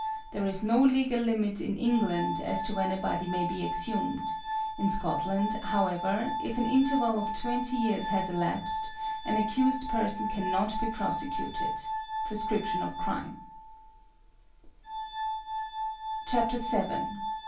There is no legal limit in England as to when a body may be exhumed; in Scotland, however, if an interval of twenty years has elapsed, an accused person cannot be prosecuted (prescription of crime). VII.